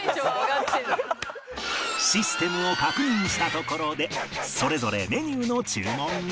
システムを確認したところでそれぞれメニューの注文へ。